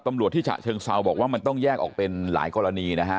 ตำรวจที่ฉะเชิงเซาบอกว่ามันต้องแยกออกเป็นหลายกรณีนะฮะ